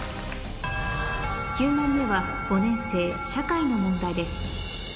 ９問目は５年生社会の問題です